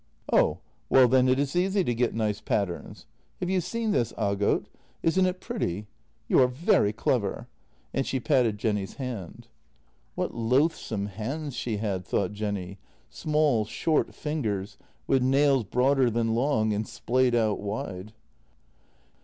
" Oh well, then it is easy to get nice patterns. Have you seen this, Aagot? Isn't it pretty? You are very clever" — and she patted Jenny's hand. What loathsome hands she had, thought Jenny — small, short fingers, with nails broader than long, and splayed out wide.